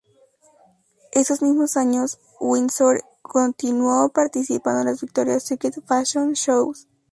Esos mismos años Windsor continuó participando en los Victoria's Secret Fashion Shows.